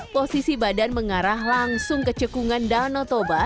posisi badan mengarah langsung ke cekungan danau toba